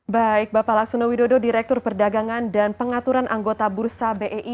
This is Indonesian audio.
baik bapak laksono widodo direktur perdagangan dan pengaturan anggota bursa bei